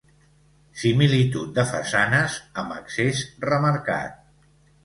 Similitud de façanes amb accés remarcat.